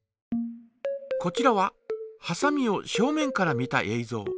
こちらははさみを正面から見たえいぞう。